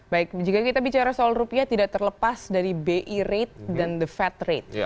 baik jika kita bicara soal rupiah tidak terlepas dari bi rate dan the fat rate